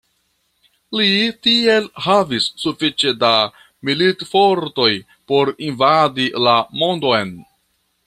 Li tiel havis sufiĉe da militfortoj por invadi la mondon.